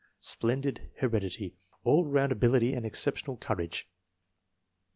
Splendid heredity. All round ability and exceptional courage.